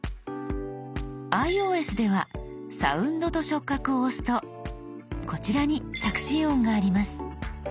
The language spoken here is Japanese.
ｉＯＳでは「サウンドと触覚」を押すとこちらに「着信音」があります。